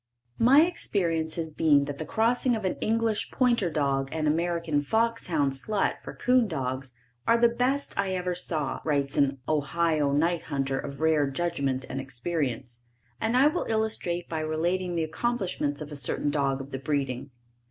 My experience has been that the crossing of an English pointer dog and American fox hound slut for 'coon dogs, are the best I ever saw, writes an Ohio night hunter of rare judgment and experience, and I will illustrate by relating the accomplishments of a certain dog of the breeding.